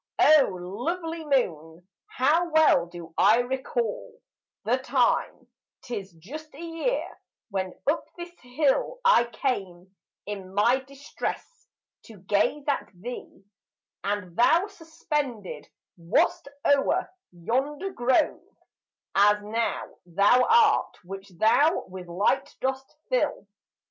O lovely moon, how well do I recall The time,—'tis just a year—when up this hill I came, in my distress, to gaze at thee: And thou suspended wast o'er yonder grove, As now thou art, which thou with light dost fill.